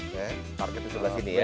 target di sebelah sini ya